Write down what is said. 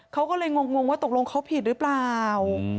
เขาก็เลยงงว่าตกลงเขาผิดหรือเปล่า